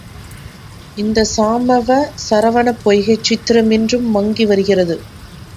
இந்த சாமவ சரவணப் பொய்கைச் சித்திரம் இன்று மங்கி வருகிறது.